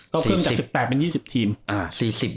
ก็เพิ่มจาก๑๘เป็น๒๐ทีม